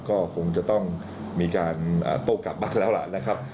ก็คงจะต้องมีการโต้กลับบ้านแล้วล่ะนะครับ